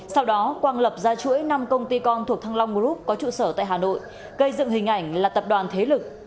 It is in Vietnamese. sau đó quang lập ra chuỗi năm công ty con thuộc thăng long group có trụ sở tại hà nội gây dựng hình ảnh là tập đoàn thế lực